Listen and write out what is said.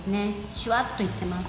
シュワっといっています。